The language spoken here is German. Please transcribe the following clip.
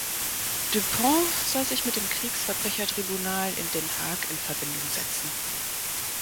Dupont soll sich mit dem Kriegsverbrechertribunal in Den Haag in Verbindung setzen.